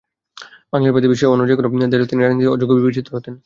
বাংলাদেশ বাদে বিশ্বের অন্য যেকোনো দেশে হলে তিনি রাজনীতিতে অযোগ্য বিবেচিত হতেন।